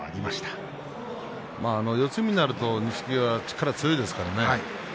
錦木は四つ身になると力が強いですからね。